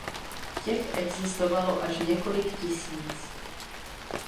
Těch existovalo až několik tisíc.